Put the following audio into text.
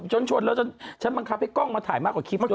ชนแล้วฉันบังคับให้กล้องมาถ่ายมากกว่าคลิป